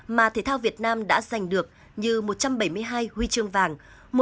mà thể thao việt nam đã giành được như một trăm bảy mươi hai huy chương vàng